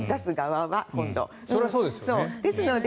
それはそうですよね。